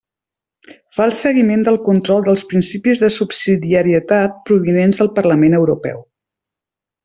Fa el seguiment del control dels principis de subsidiarietat provinents del Parlament Europeu.